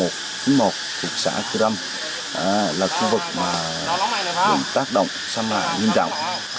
thịt xã thư râm là khu vực rừng tác động xâm lại nghiêm trọng